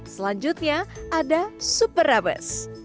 selanjutnya ada super rames